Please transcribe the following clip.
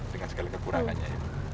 dengan segala kekurangannya